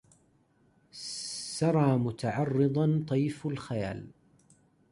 سرى متعرضا طيف الخيال